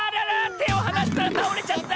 てをはなしたらたおれちゃった！